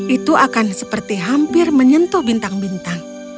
itu akan seperti hampir menyentuh bintang bintang